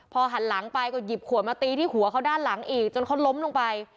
พอหันหลังไปก็หยิบขวดมาตีที่หัวเขาด้านหลังอีกจนเขาล้มลงไป